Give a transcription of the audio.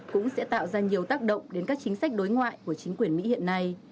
cũng sẽ tạo ra nhiều tác động đến các chính sách đối ngoại của chính quyền mỹ hiện nay